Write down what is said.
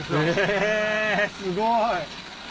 えすごい。